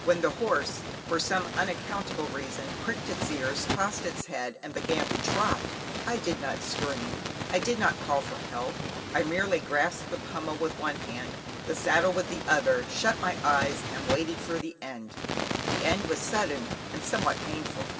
When the horse, for some unaccountable reason, pricked its ears, tossed its head, and began to trot, I did not scream, I did not call for help, I merely grasped the pummel with one hand, the saddle with the other, shut my eyes and waited for the end. The end was sudden and somewhat painful.